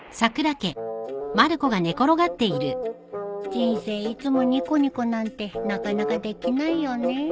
人生いつもニコニコなんてなかなかできないよね。